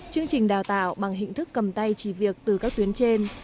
chương trình đào tạo bằng hình thức cầm tay chỉ việc từ các tuyến trên